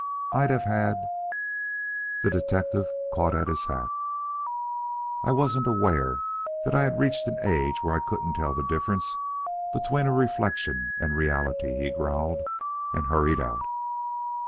I'd have had " The detective caught at his hat. "I wasn't aware that I had reached an age when I couldn't tell the difference between a reflection and a reality," he growled, and hurried out.